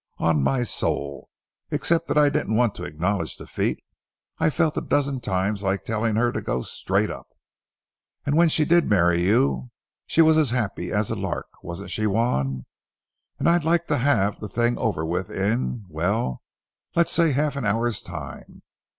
On my soul, except that I didn't want to acknowledge defeat, I felt a dozen times like telling her to go straight up. And when she did marry you, she was as happy as a lark—wasn't she, Juan? But I like to have the thing over with in—well, say half an hour's time.